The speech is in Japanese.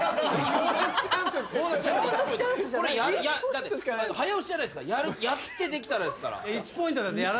だって早押しじゃないですからやってできたらですから。